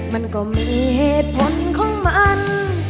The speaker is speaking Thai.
มันก็มีเหตุผลของมัน